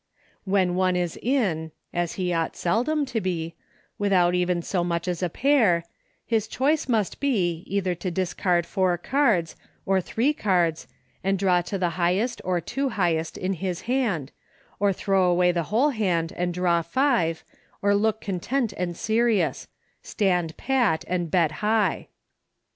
When one is in (as he ought seldom to be) without even so much as a pair, his choice must be, either to discard four cards, or three cards, and draw to the highest or two highest in the hand, or throw away the whole hand and draw five, or look content and serious; stand, pat, and bet high